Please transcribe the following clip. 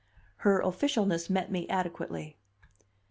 Her officialness met me adequately.